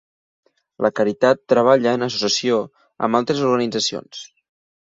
La caritat treballa en associació amb altres organitzacions.